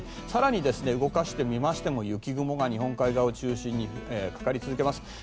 更に動かしてみましても雪雲が日本海側を中心にかかり続けます。